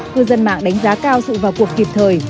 cư dân mạng đánh giá cao sự vào cuộc kịp thời